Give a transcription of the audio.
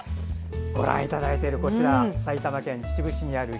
ご覧いただいているこちらは埼玉県秩父市にあります